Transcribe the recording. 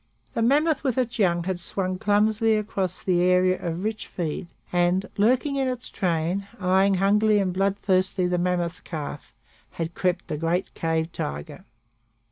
The mammoth with its young had swung clumsily across the area of rich feed, and, lurking in its train, eyeing hungrily and bloodthirstily the mammoth's calf, had crept the great cave tiger.